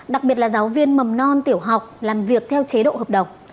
đặc biệt là giáo viên mầm non tiểu học làm việc theo chế độ hợp đồng